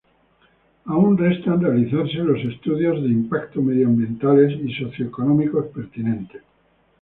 Aún restan realizarse los estudios de impacto medio-ambientales y socio-económicos pertinentes.